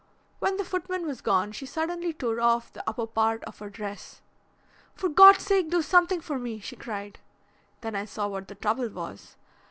When the footman was gone she suddenly tore off the upper part of her dress. 'For Gods sake do something for me!' she cried. Then I saw what the trouble was.